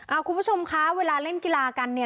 คุณผู้ชมคะเวลาเล่นกีฬากันเนี่ย